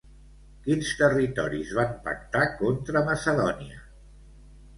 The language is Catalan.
Quins territoris van pactar contra Macedònia?